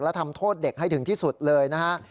และทำโทษเด็กให้ถึงที่สุดเลยนะฮะ